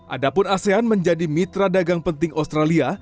adapun asean menjadi mitra dagang penting australia